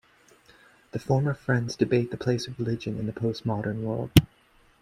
The former friends debate the place of religion in the postmodern world.